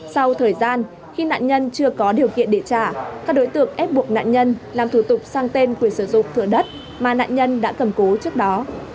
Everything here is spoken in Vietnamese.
sau thời gian khi nạn nhân chưa có điều kiện để trả các đối tượng ép buộc nạn nhân làm thủ tục sang tên quyền sử dụng thửa đất mà nạn nhân đã cầm cố trước đó